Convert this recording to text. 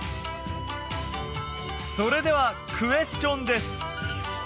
それではクエスチョンです